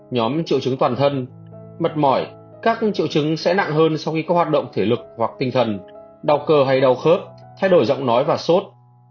nhóm triệu chứng toàn thân mệt mỏi các triệu chứng sẽ nặng hơn sau khi có hoạt động thể lực hoặc tinh thần đau cơ hay đau khớp thay đổi giọng nói và sốt